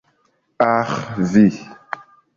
Aĥ, vi.